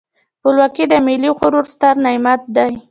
خپلواکي د ملي غرور ستر نعمت دی.